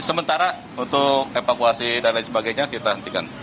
sementara untuk evakuasi dan lain sebagainya kita hentikan